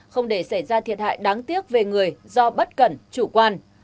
không để xảy ra thiệt hại đáng tiếc về người do bất cẩn chủ quan